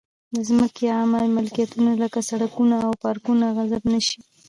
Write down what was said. د ځمکې یا عامه ملکیتونو لکه سړکونه او پارکونه غصب نه شي.